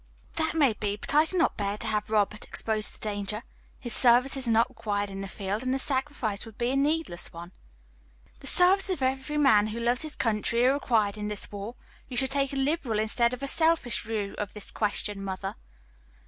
"That may be; but I cannot bear to have Robert exposed to danger. His services are not required in the field, and the sacrifice would be a needless one." "The services of every man who loves his country are required in this war. You should take a liberal instead of a selfish view of the question, mother."